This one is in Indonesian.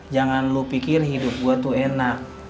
jangan lu pikir hidup gue tuh enak